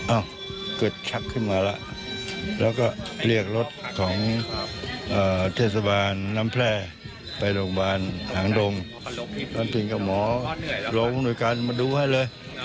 เกิดชักขึ้นมาแล้วแล้วก็เรียกรถของเทศบาลน้ำแพร่ไปโรงพยาบาลหางดงน้ำพินกับหมอลงด้วยกันมาดูให้เลย